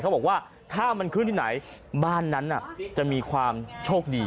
บอกว่าถ้ามันขึ้นที่ไหนบ้านนั้นจะมีความโชคดี